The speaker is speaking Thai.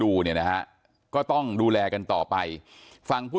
แม้นายเชิงชายผู้ตายบอกกับเราว่าเหตุการณ์ในครั้งนั้น